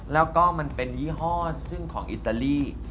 แล้วก็มันเป็นยี่ห้อซึ่งของอิตาลี